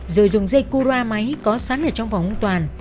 rồi dùng dây cura máy có sẵn ở trong phòng ông toàn